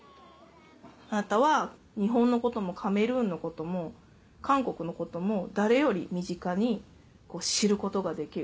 あなたは日本のこともカメルーンのことも韓国のことも誰より身近に知ることができる。